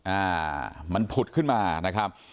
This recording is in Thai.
อ่ามันผุดขึ้นมานะครับ